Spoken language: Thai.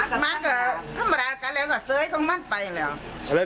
มาก็ธรรมดากันแล้วก็เสยของมันไปแล้ว